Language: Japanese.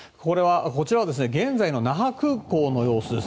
こちらは現在の那覇空港の様子です。